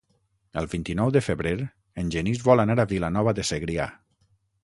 El vint-i-nou de febrer en Genís vol anar a Vilanova de Segrià.